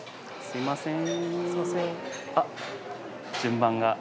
すいません。